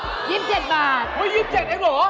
โอ้โฮยิบเจ็ดบาทเฮ้ยยิบเจ็ดเองเหรอ